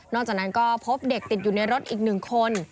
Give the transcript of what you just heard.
นอกจากนั้นก็พบเด็กติดอยู่ในรถอีกหนึ่งคน